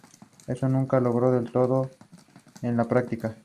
Esto nunca se logró del todo en la práctica.